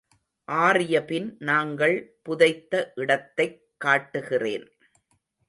ஆறியபின் நாங்கள் புதைத்த இடத்தைக் காட்டுகிறேன்.